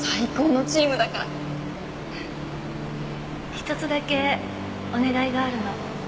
１つだけお願いがあるの。